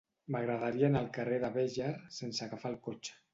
M'agradaria anar al carrer de Béjar sense agafar el cotxe.